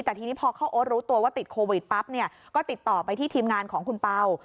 แต่ทีนี้พอเข้าโอ๊ตรู้ตัวว่าติดโควิดปั๊บเนี่ยก็ติดต่อไปที่ทีมงานของคุณเป่า